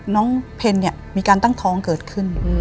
น้องเพนเนี่ยมีการตั้งท้องเกิดขึ้น